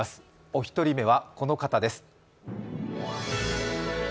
お一人目は、この方です。